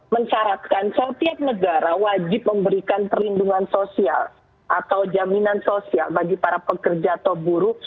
mencaratkan setiap negara wajib memberikan perlindungan sosial atau jaminan sosial bagi para pekerja atau buruh